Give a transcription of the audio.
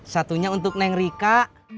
satunya untuk neng rika